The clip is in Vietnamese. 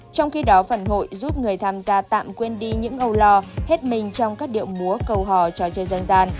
trong khi đó phần hội giúp người tham gia tạm quên đi những âu lo hết mình trong các điệu múa cầu hò trò chơi dân gian